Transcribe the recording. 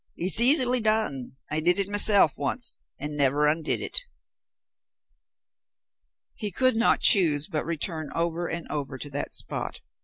It's easily done. I did it myself once, and never undid it." He could not choose but return over and over to that spot.